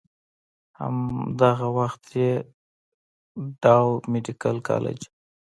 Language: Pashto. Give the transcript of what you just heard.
هم دغه وخت ئې ډاؤ ميډيکل کالج